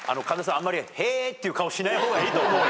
あんまり「へぇ」って顔しない方がいいと思うよ。